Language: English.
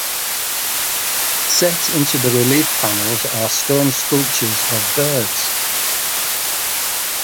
Set into the relief panels are stone sculptures of birds.